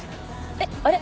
えっあれ？